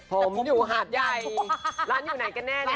ผมอยู่หาดใยร้านอยู่ไหนกันแน่เนี่ยค่ะค่ะ